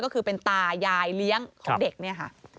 ก็คือเป็นตายายเลี้ยงของเด็กเนี่ยค่ะ